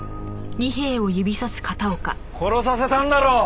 殺させたんだろ！